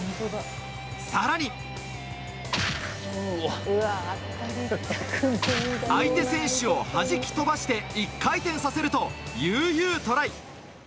更に、相手選手を弾き飛ばして１回転させると悠々、トライ。